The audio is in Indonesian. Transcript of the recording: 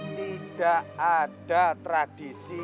tidak ada tradisi